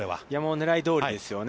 狙いどおりですよね。